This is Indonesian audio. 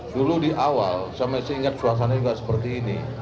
dulu di awal saya masih ingat suasananya juga seperti ini